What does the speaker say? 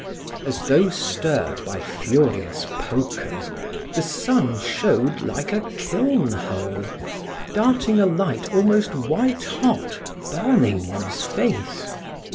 As though stirred by furious pokers, the sun showed like a kiln hole, darting a light almost white hot, burning one's face.